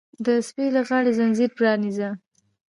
د سپي له غاړې ځنځیر پرانیزه!